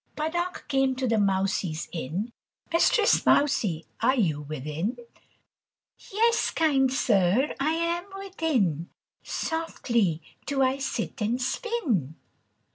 Puddock came to the Mousie's inn, "Mistress Mousie, are you within?" MOUSIE. "Yes, kind Sir, I am within, Softly do I sit and spin."